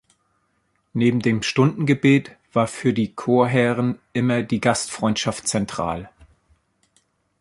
Neben dem Stundengebet war für die Chorherren immer die Gastfreundschaft zentral.